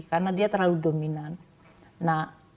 karena dia terlalu dominan